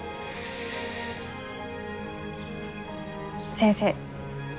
先生。